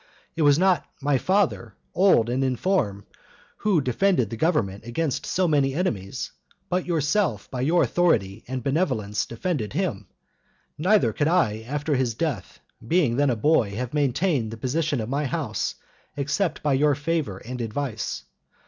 It was not my father, old and inform, who defended the government against so many enemies, but yourselves by your authority and benevolence defended him; neither could I, after his death, being then a boy, have maintained the position of my house except by your favor and advice.